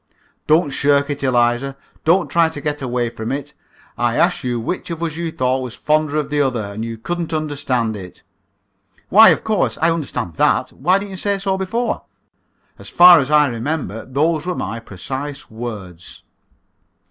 "Don't shirk it, Eliza. Don't try to get away from it. I asked you which of us you thought was the fonder of the other, and you couldn't understand it." "Why, of course, I understand that. Why didn't you say so before?" "As far as I remember, those were my precise words."